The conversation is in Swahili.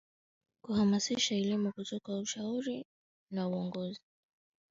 kuhamasisha elimu kutoa ushauri na uongozi